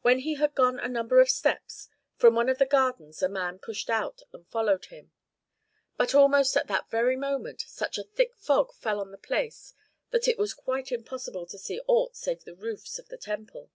When he had gone a number of steps, from one of the gardens a man pushed out and followed him. But almost at that very moment such a thick fog fell on the place that it was quite impossible to see aught save the roofs of the temple.